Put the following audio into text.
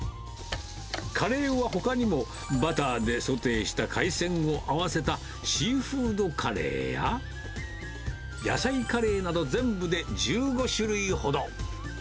カレーはほかにも、バターでソテーした海鮮を合わせたシーフードカレーや、野菜カレーなど全部で１５種類ほど。